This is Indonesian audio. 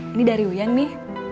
ini dari uyan nih